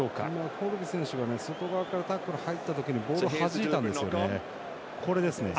コルビ選手が外側からタックル入った時にボールをはじいたんですよね。